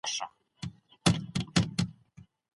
که کتابونه تپلي وي، نو خلګ يې نه لولي.